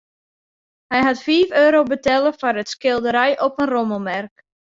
Hy hat fiif euro betelle foar it skilderij op in rommelmerk.